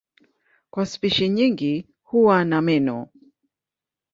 Kwa spishi nyingi huwa na meno.